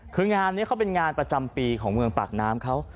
คืองานนี้เขาเป็นงานประจำปีของเมืองปากน้ำเขา